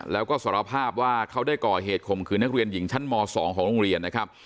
แล้วก็สารภาพว่าเขาได้ก่อเหตุข่มขืนนักเรียนหญิงชั้นม๒ของโรงเรียนนะครับ